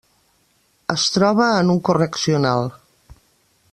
Es troba en un correccional.